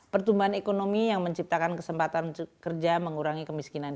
pertumbuhan ekonomi yang menciptakan kesempatan kerja mengurangi kemiskinan